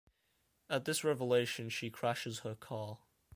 At this revelation she crashes her car.